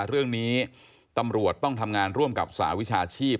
เรื่องนี้ตำรวจต้องทำงานร่วมกับสหวิชาชีพ